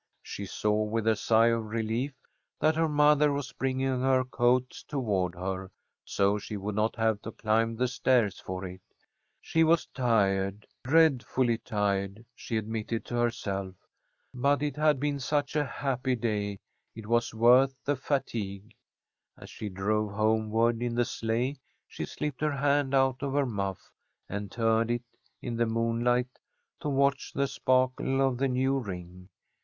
She saw with a sigh of relief that her mother was bringing her coat toward her, so she would not have to climb the stairs for it. She was tired, dreadfully tired, she admitted to herself. But it had been such a happy day it was worth the fatigue. As she drove homeward in the sleigh, she slipped her hand out of her muff, and turned it in the moonlight to watch the sparkle of the new ring.